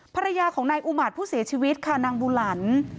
ภรรยาของนายอุมาตรผู้เสียชีวิตค่ะนางบูหลัน